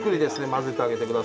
混ぜてあげてください。